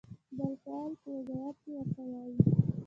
بهلول په ځواب کې ورته وایي.